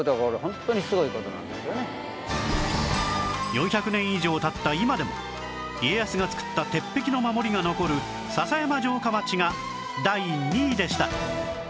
４００年以上経った今でも家康が作った鉄壁の守りが残る篠山城下町が第２位でした